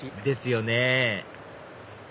ですよね